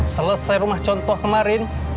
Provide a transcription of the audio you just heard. selesai rumah contoh kemarin